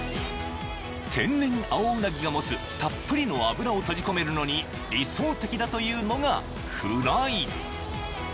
［天然青うなぎが持つたっぷりの脂を閉じ込めるのに理想的だというのがフライ］